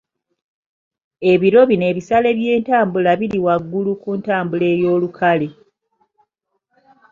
Ebiro bino ebisale by'entambula biri waggulu ku ntambula ey'olukale.